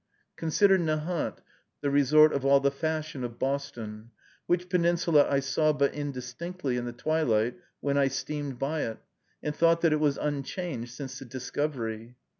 Consider Nahant, the resort of all the fashion of Boston, which peninsula I saw but indistinctly in the twilight, when I steamed by it, and thought that it was unchanged since the discovery.